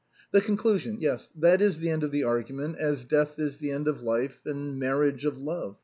" The conclusion — yes, that is the end of argument, as death is the end of life, and marriage of love.